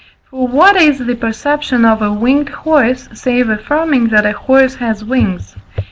For what is the perception of a winged horse, save affirming that a horse has wings?